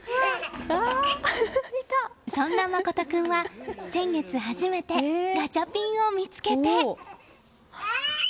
そんな真斗君は先月、初めてガチャピンを見つけて。